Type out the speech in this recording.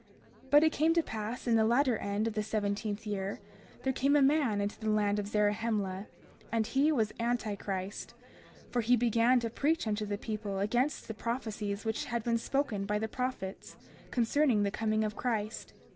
30:6 But it came to pass in the latter end of the seventeenth year, there came a man into the land of Zarahemla, and he was Anti Christ, for he began to preach unto the people against the prophecies which had been spoken by the prophets, concerning the coming of Christ.